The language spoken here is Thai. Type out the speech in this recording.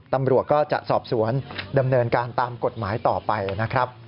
ตำรวจก็จะสอบสวนดำเนินการตามกฎหมายต่อไปนะครับ